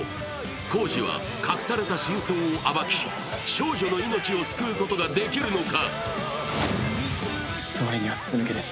晄司は真相を暴き、少女の命を救うことができるのか。